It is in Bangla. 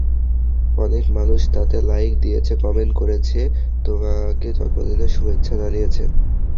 অনেক মানুষ তাতে লাইক দিয়েছে, কমেন্ট করেছে, তোমাকে জন্মদিনের শুভেচ্ছা জানিয়েছে।